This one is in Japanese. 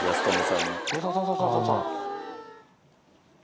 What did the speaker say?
そうそうそうそう。